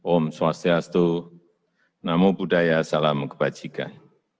om swastiastu namo buddhaya salam kebajikan